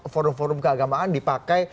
forum forum keagamaan dipakai